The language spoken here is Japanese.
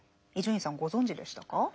伊集院さんご存じでしたか？